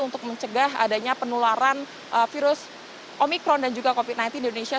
untuk mencegah adanya penularan virus omicron dan juga covid sembilan belas di indonesia